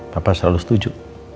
papa selalu setuju